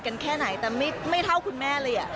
แค่ไหนแต่ไม่เท่าคุณแม่เลย